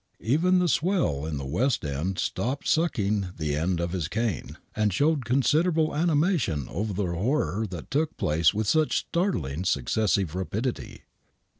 Even the swell in the Wefit End stopped sucking the end of his cane and showed considerable animation over the horrorr ^/...i, took place with such startling successive rapidity.